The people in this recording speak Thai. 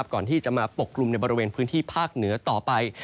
ก่อนที่จะมาปกกลุ่มในบริเวณพื้นที่ภาคเหนือต่อไป